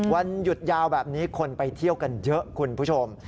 วันหยุดยาวแบบนี้คนไปเที่ยวกันเยอะคุณผู้ชม